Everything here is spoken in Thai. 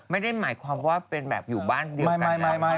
ไม่ได้หมายความว่าเป็นแบบอยู่บ้านเดียว